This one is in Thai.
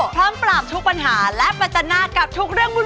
พร้อมปราบทุกปัญหาและประจันหน้ากับทุกเรื่องวุ่น